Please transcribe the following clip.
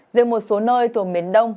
riêng một số nơi thuộc miền đông